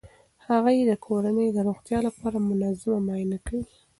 هغې د کورنۍ د روغتیا لپاره منظمه معاینه کوي.